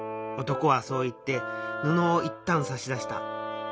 男はそう言って布を１反さし出した。